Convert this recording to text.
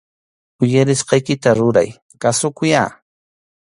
Uyarisqaykita ruray, kasukuyyá